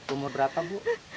umur berapa bu